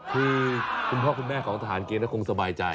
คือคุณพ่อคุณแม่ของทหารเกณฑ์ก็คงสบายใจ